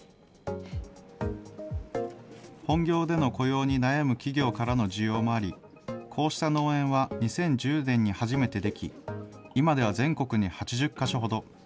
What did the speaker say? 本業での雇用に悩む企業からの需要もあり、こうした農園は２０１０年に初めて出来、今では全国に８０か所ほど。